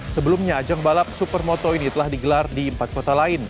sebelumnya ajang balap supermoto ini telah digelar di empat kota lain